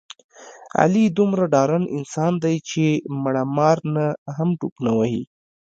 علي دومره ډارن انسان دی، چې مړه مار نه هم ټوپونه وهي.